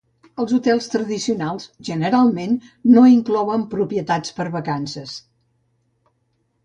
Els hotels tradicionals generalment no inclouen propietats per vacances.